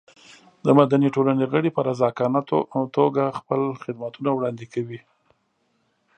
د مدني ټولنې غړي په رضاکارانه توګه خپل خدمتونه وړاندې کوي.